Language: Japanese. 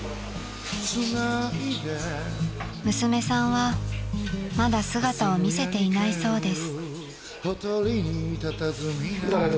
［娘さんはまだ姿を見せていないそうです］